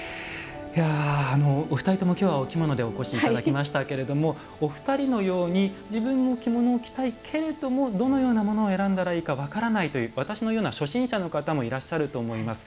お二人とも、きょうはお着物でお越しいただきましたがお二人のように自分も着物を着たいけれどもどのようなものを選んだらいいか分からないという私のような初心者のような方もいらっしゃると思います。